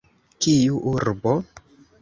Kiu urbo?